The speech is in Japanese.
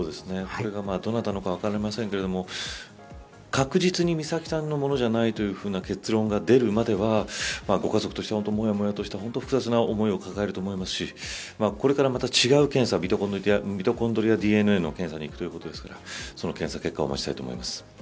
これがどなたのか分かりませんけれども確実に美咲さんのものではないという結論が出るまではご家族として、もやもやとした複雑な思いを抱えると思いますしこれから、また違う検査ミトコンドリアＤＮＡの検査にいくということですからその検査結果を待ちたいと思います。